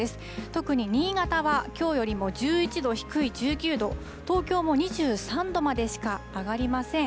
特に新潟はきょうよりも１１度低い１９度、東京も２３度までしか上がりません。